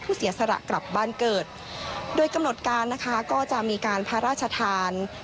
เสียสละกลับบ้านเกิดโดยกำหนดการนะคะก็จะมีการพระราชทาน